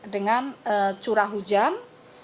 dengan curah hujan